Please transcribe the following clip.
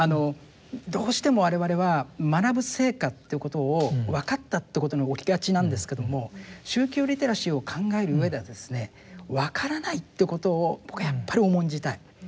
どうしても我々は学ぶ成果っていうことをわかったっていうことに置きがちなんですけども宗教リテラシーを考えるうえではですねわからないっていうことを僕やっぱり重んじたい。